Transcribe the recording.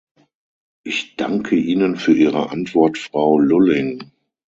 Ich danke Ihnen für Ihre Antwort, Frau Lulling.